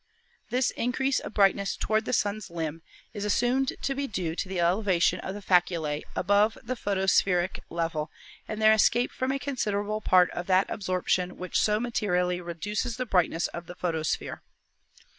This increase of brightness toward the Sun's limb is assumed to be due to the elevation of the faculse above the photospheric level and their escape from a considerable part of that absorption which so materially reduces the brightness of the photosphere.